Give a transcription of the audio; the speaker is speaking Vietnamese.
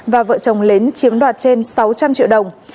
và vợ chồng lớn chiếm đoạt trên sáu trăm linh triệu đồng